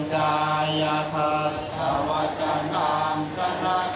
กายทัศน์ทัวร์จันทร์ทัวร์จันทร์ทัวร์จันทร์